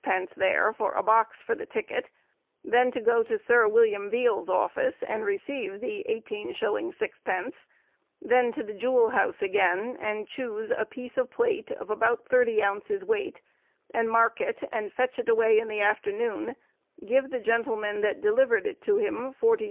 _ there for a box for the ticket; then to go to Sir Wm. Veall's office, and receive the 18_s._ 6_d._; then to the jewel house again, and choose a piece of plate of about thirty ounces weight, and mark it, and fetch it away in the afternoon, give the gentleman that delivered it to him 40_s.